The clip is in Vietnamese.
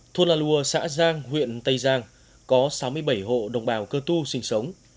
thuận là lùa xã giang huyện tây giang có sáu mươi bảy hộ đồng bào cơ tu sinh sống